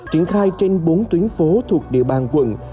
triển khai trên bốn tuyến phố thuộc địa bàn quận